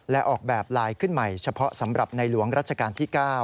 และออกแบบลายขึ้นใหม่เฉพาะสำหรับในหลวงรัชกาลที่๙